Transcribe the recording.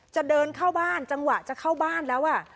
จะเดินเข้าบ้านจังหวะจะเข้าบ้านแล้ว